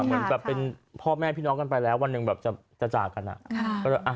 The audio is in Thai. เหมือนแบบเป็นพ่อแม่พี่น้องกันไปแล้ววันหนึ่งแบบจะจากกันอ่ะ